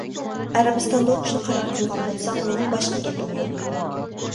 ئەرەبىستاندا ئوقۇشنى قارار قىلغان بولساڭ مېنىڭ باشقا گېپىم يوق.